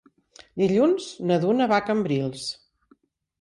Dilluns na Duna va a Cambrils.